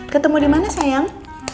ketemu dimana sayang